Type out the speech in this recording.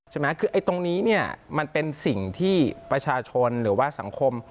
ใช่ไหมคือไอ้ตรงนี้เนี่ยมันเป็นสิ่งที่ประชาชนหรือว่าสังคม